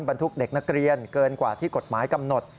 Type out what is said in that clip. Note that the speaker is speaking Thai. บรรทุกเด็กนักเรียนเกินกว่าที่กฎหมายกำหนด